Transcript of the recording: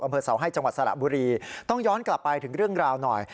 อำเภอเสาให้จังหวัดสระบุรีต้องย้อนกลับไปถึงเรื่องราวหน่อย